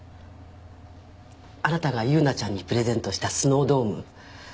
あなたが優奈ちゃんにプレゼントしたスノードーム